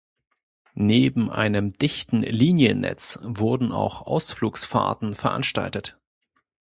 Neben einem dichten Liniennetz wurden auch Ausflugsfahrten veranstaltet.